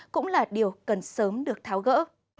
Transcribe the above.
cũng là điều cần sớm được tháo gỡ